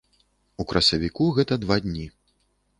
У красавіку гэта два дні.